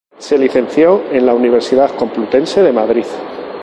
Se licenció en la Universidad Complutense de Madrid.